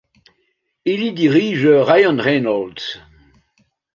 Il y dirige Ryan Reynolds.